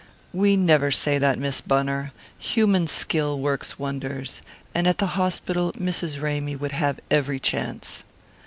"We never say that, Miss Bunner. Human skill works wonders and at the hospital Mrs. Ramy would have every chance."